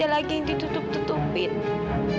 tapi wilayahnya tidak perilak untuk mama